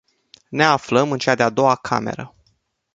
Ne aflăm în cea de-a doua cameră.